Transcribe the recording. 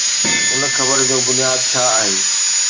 ان خبر جو بنياد ڇا آهي؟